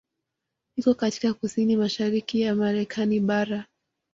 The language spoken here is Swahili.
Iko katika kusini mashariki ya Marekani bara.